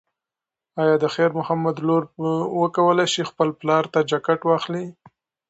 ایا د خیر محمد لور به وکولی شي خپل پلار ته جاکټ واخلي؟